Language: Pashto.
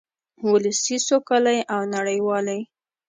ولسي سوکالۍ او نړیوالې